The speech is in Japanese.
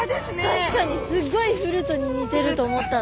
確かにすっごいフルートに似てると思ったの。